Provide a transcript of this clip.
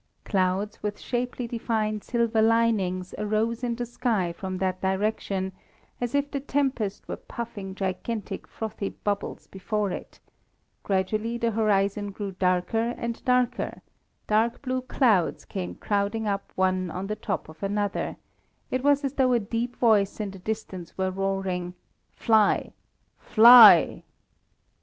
Clouds with sharply defined silver linings arose in the sky from that direction as if the tempest were puffing gigantic frothy bubbles before it; gradually the horizon grew darker and darker, dark blue clouds came crowding up one on the top of another; it was as though a deep voice in the distance were roaring: "Fly, fly!"